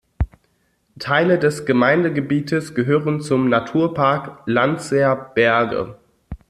Teile des Gemeindegebietes gehören zum Naturpark Landseer Berge.